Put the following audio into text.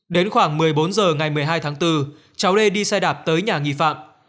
đến khoảng một mươi bốn h ngày một mươi hai tháng bốn cháu lê đi xe đạp tới nhà nghị phạm